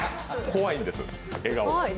怖いんです、笑顔。